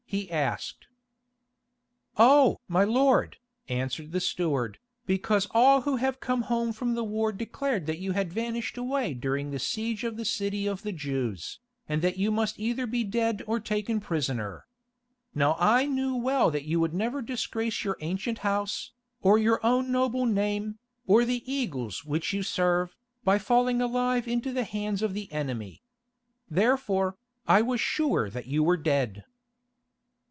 he asked. "Oh! my lord," answered the steward, "because all who have come home from the war declared that you had vanished away during the siege of the city of the Jews, and that you must either be dead or taken prisoner. Now I knew well that you would never disgrace your ancient house, or your own noble name, or the Eagles which you serve, by falling alive into the hands of the enemy. Therefore, I was sure that you were dead."